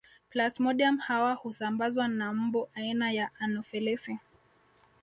Plasmodium hawa husambazwa na mbu aina ya Anofelesi